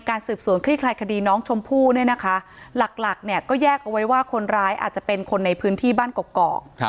ครับหรือคนร้ายอาจจะเป็นคนในพื้นที่บ้านเกาะเกาะหรือคนร้ายอาจจะเป็นคนในพื้นที่บ้านเกาะ